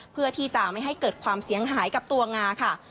เพื่อที่จะไม่ให้เกิดความเสียหายกับตัวงาค่ะ